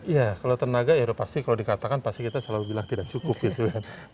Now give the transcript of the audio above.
ya kalau tenaga ya pasti kalau dikatakan pasti kita selalu bilang tidak cukup gitu kan